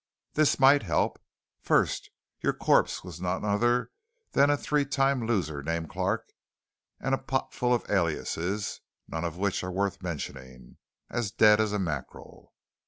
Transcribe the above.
"This might help. First, your corpse was none other than a three time loser named Clarke and a pot full of aliases, none of which are worth mentioning. As dead as a mackerel."